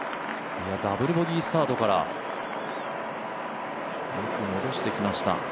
ダブルボギースタートからよく戻してきました。